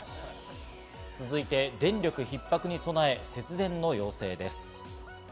続いて、電力ひっ迫に備え、節電の要請です。